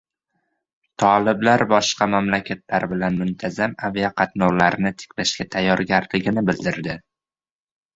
Toliblar boshqa mamlakatlar bilan muntazam aviaqatnovlarni tiklashga tayyorligini bildirdi